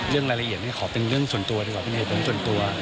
เรื่องรายละเอียดนี้ขอเป็นเรื่องส่วนตัวดีกว่าเป็นเหตุผลส่วนตัว